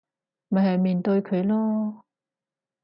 咪去面對佢囉